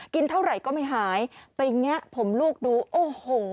เท่าไหร่ก็ไม่หายไปแงะผมลูกดูโอ้โห